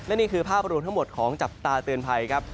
และนี่คือภาพรวมทั้งหมดของจับตาเตือนภัยครับ